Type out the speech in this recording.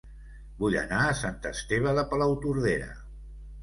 Vull anar a Sant Esteve de Palautordera